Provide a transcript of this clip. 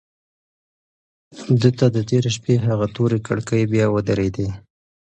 ده ته د تېرې شپې هغه تورې کړکۍ بیا ودرېدې.